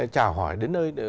chào hỏi đến nơi